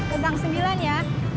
hebang sembilan ya